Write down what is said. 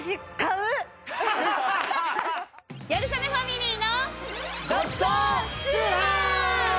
『ギャル曽根ファミリーの』。